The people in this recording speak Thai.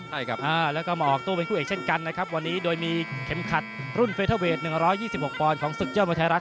ใช่ครับแล้วก็มาออกตู้เป็นคู่เอกเช่นกันนะครับวันนี้โดยมีเข็มขัดรุ่นเฟเทอร์เวท๑๒๖ปอนด์ของศึกยอดมวยไทยรัฐ